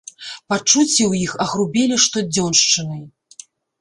Пачуцці ў іх агрубелі штодзёншчынай.